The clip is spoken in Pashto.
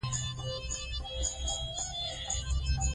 هغوی نشي کولای دا متن سم ولولي.